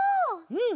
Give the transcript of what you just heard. うん。